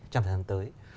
trong thời gian tới